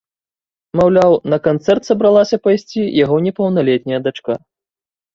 Маўляў, на канцэрт сабралася пайсці яго непаўналетняя дачка.